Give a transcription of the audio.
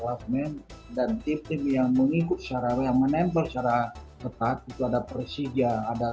kelasmen dan tim tim yang mengikut secara yang menempel secara ketat itu ada persija ada